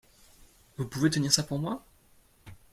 Vous pouvez tenir ça pour moi ?